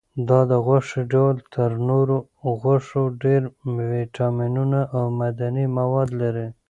دا د غوښې ډول تر نورو غوښو ډېر ویټامینونه او معدني مواد لري.